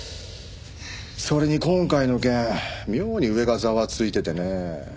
それに今回の件妙に上がざわついててねえ。